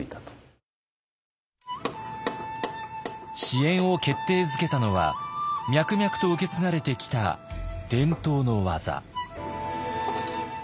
支援を決定づけたのは脈々と受け継がれてきた伝統の技。